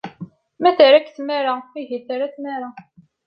Ma terra-k tmara, ihi terra tmara.